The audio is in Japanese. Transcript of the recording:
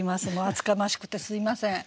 厚かましくてすいません。